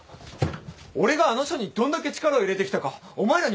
俺があの書にどんだけ力を入れてきたかお前らに分かるのか？